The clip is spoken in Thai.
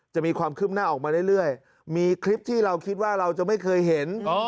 จะมีความคืบหน้าออกมาเรื่อยมีคลิปที่เราคิดว่าเราจะไม่เคยเห็น